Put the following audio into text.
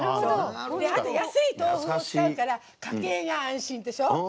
あと、安い豆腐を使うから家計が安心でしょ。